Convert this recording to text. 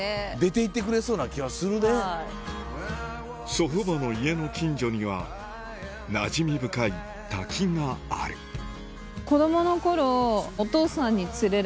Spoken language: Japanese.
祖父母の家の近所にはなじみ深い滝があるあ！